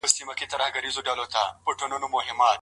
ډیر تلویزیون کتل سترګو ته څه زیان لري؟